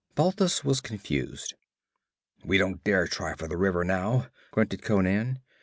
Balthus was confused. 'We don't dare try for the river now,' grunted Conan.